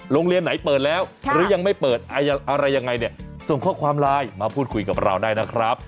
โรงเรียนไหนเปิดแล้วหรือยังไม่เปิดอะไรยังไงเนี่ยส่งข้อความไลน์มาพูดคุยกับเราได้นะครับ